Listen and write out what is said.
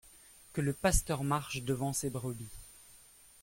Que le pasteur marche devant ses brebis.